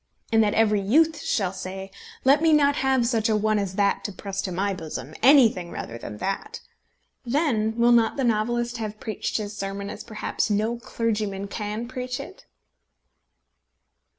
and that every youth shall say: "Let me not have such a one as that to press my bosom, anything rather than that!" then will not the novelist have preached his sermon as perhaps no clergyman can preach it?